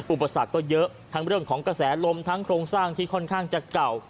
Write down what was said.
อุปสรรคก็เยอะทั้งเรื่องของกระแสลมทั้งโครงสร้างที่ค่อนข้างจะเก่า